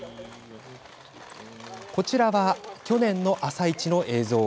こちらは去年の「あさイチ」の映像。